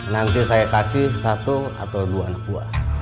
nanti saya kasih satu atau dua anak buah